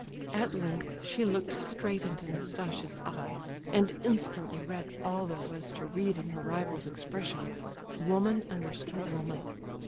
At length she looked straight into Nastasia's eyes, and instantly read all there was to read in her rival's expression. Woman understood woman!